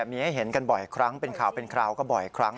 มีให้เห็นกันบ่อยครั้งเป็นข่าวเป็นคราวก็บ่อยครั้ง